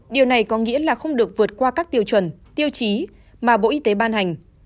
điều này có nghĩa là không được vượt qua các tiêu chuẩn tiêu chí mà bộ y tế ban hành